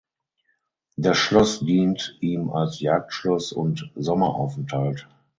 Das Schloss dient ihm als Jagdschloss und Sommeraufenthalt.